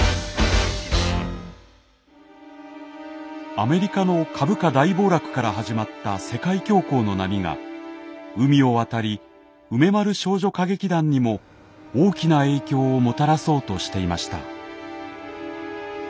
アメリカの株価大暴落から始まった世界恐慌の波が海を渡り梅丸少女歌劇団にも大きな影響をもたらそうとしていました。